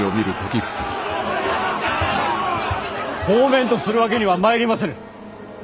放免とするわけにはまいりませぬ。